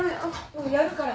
もうやるから。